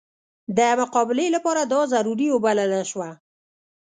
د مقابلې لپاره دا ضروري وبلله شوه.